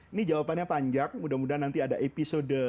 ini jawabannya panjang mudah mudahan nanti ada episode